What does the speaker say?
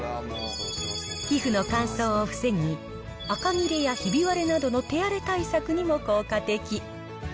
皮膚の乾燥を防ぎ、あかぎれやひび割れなどの手荒れ対策にも効果的。